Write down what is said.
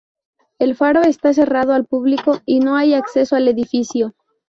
El faro está cerrado al público y no hay acceso al edificio.